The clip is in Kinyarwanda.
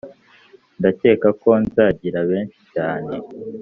ndakeka ko nzagira benshi cyane